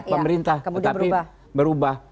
pemerintah tetapi berubah